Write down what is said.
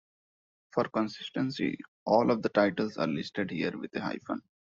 For consistency, all of the titles are listed here with a hyphen.